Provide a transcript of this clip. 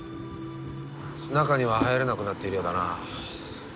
中には入れなくなっているようだな。